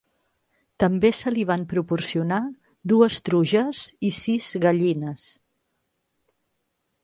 També se li van proporcionar dues truges i sis gallines.